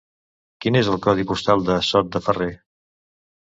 Quin és el codi postal de Sot de Ferrer?